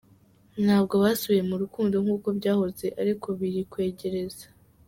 Ntabwo basubiye mu rukundo nk’uko byahoze ariko biri kwegereza.